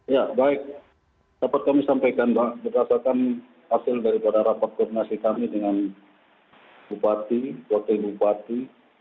ya baik dapat kami sampaikan berdasarkan hasil daripada rapat koordinasi kami dengan bupati wakil bupati